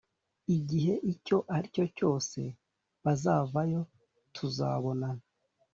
igihe icyo aricyo cyose bazavayo tuzababona